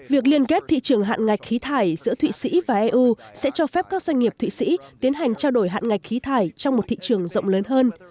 việc liên kết thị trường hạn ngạch khí thải giữa thụy sĩ và eu sẽ cho phép các doanh nghiệp thụy sĩ tiến hành trao đổi hạn ngạch khí thải trong một thị trường rộng lớn hơn